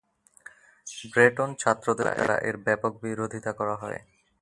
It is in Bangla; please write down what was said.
ব্রেটন ছাত্রদের দ্বারা এর ব্যাপক বিরোধিতা করা হয়।